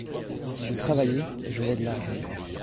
si je travaillais, j'aurais de l'argent.